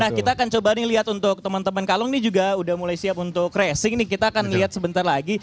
nah kita akan coba nih lihat untuk teman teman kalung nih juga udah mulai siap untuk racing nih kita akan lihat sebentar lagi